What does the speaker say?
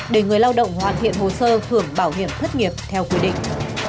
để người lao động hoàn thiện hồ sơ hưởng bảo hiểm thất nghiệp theo quy định